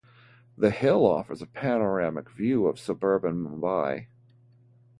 The hill offers a panoramic view of suburban Mumbai.